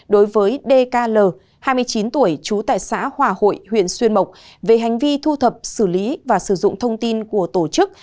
đối với dkl hai mươi chín tuổi trú tại xã hòa hội huyện xuyên mộc về hành vi thu thập xử lý và sử dụng thông tin của tổ chức